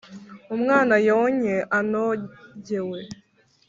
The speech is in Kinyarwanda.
Umwana yonke anogewe